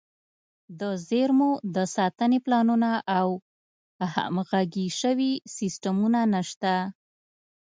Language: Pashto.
د زیرمو د ساتنې پلانونه او همغږي شوي سیستمونه نشته.